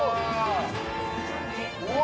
うわ！